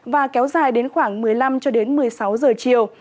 và kéo dài đến khoảng một mươi năm một mươi sáu giờ chiều